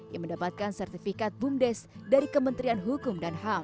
yang mendapatkan sertifikat bumdes dari kementerian hukum